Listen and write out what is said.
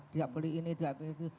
dia beli ini dia beli itu